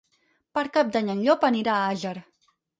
Per Cap d'Any en Llop anirà a Àger.